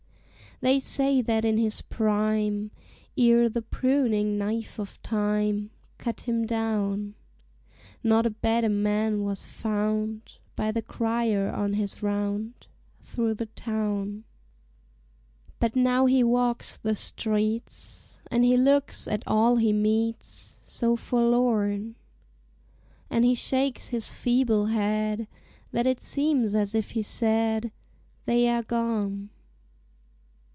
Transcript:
They say that in his prime, Ere the pruning knife of time Cut him down, Not a better man was found By the crier on his round Through the town. But now he walks the streets, And he looks at all he meets So forlorn; And he shakes his feeble head, That it seems as if he said, "They are gone."